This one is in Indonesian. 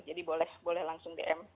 jadi boleh langsung dm